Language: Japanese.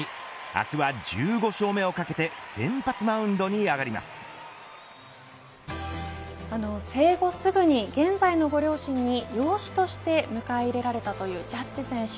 明日は１５勝目をかけて生後すぐに現在のご両親に養子として迎え入れられたというジャジ選手。